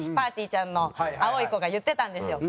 ちゃんの青い子が言ってたんですよ。